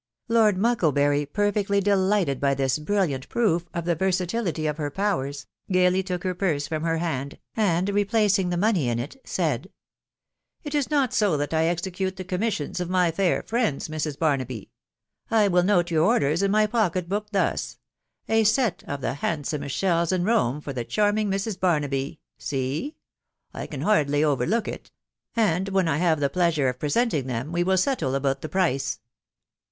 Lord Mucklebury, perfectly delighted by this brilliant prat of the versatility of her. powers, gaily took her parte fromba hand, and replacing the money in it, said, —" It is not so that I execute the commissions of my fa friends, Mrs. Barnaby. ... I will note your ordera in my pocket book, thus ....' A set of the handsomest sheik a Rome for the charming Mrs. Barnaby.' See !•... I eo hardly overlook it ; and when I have the pleasure of presort ing them, we will settle about the price."